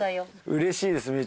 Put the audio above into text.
うれしいです